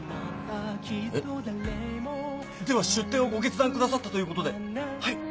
では出店をご決断くださったということではい。